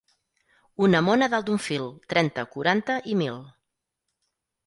Una mona dalt d'un fil, trenta, quaranta i mil.